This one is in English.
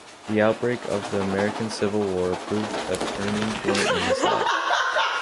The outbreak of the American Civil War proved a turning point in his life.